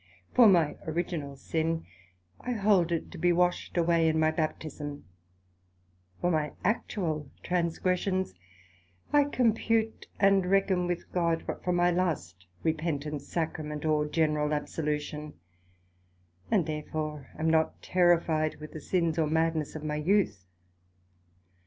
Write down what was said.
For my Original sin, I hold it to be washed away in my Baptism, for my actual transgressions, I compute and reckon with God, but from my last repentance, Sacrament, or general absolution; and therefore am not terrified with the sins or madness of my youth.